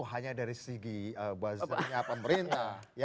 pemimpinnya dari segi pemerintah